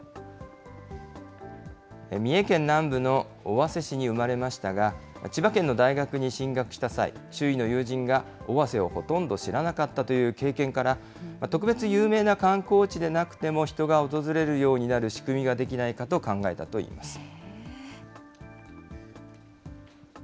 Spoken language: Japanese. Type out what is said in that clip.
三重県南部の尾鷲市に生まれましたが、千葉県の大学に進学した際、周囲の友人が尾鷲をほとんど知らなかったという経験から、特別有名な観光地でなくても人が訪れるようになる仕組みができないかと考えたといいます。